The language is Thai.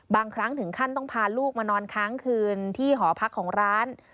บางครั้งถึงขั้นต้องพาลูกมานอนค้างคืนที่หอพักของร้าน